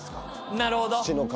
なるほど。